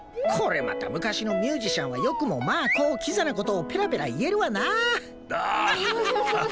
これまた昔のミュージシャンはよくもまあこうキザな事をペラペラ言えるわなあ。